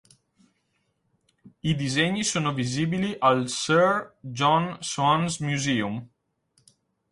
I disegni sono visibili al Sir John Soane's Museum.